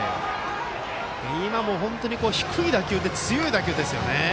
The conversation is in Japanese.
今も本当に低い打球で強い打球ですよね。